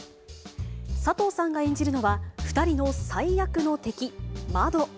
佐藤さんが演じるのは２人の最悪の敵、窓。